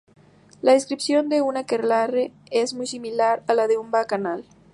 La descripción de un aquelarre es muy similar a la de una bacanal.